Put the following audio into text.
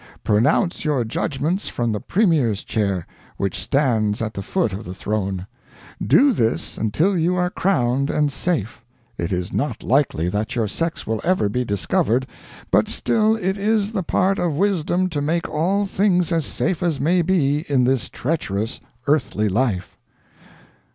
Pronounce your judgments from the Premier's chair, which stands at the foot of the throne. Do this until you are crowned and safe. It is not likely that your sex will ever be discovered, but still it is the part of wisdom to make all things as safe as may be in this treacherous earthly life."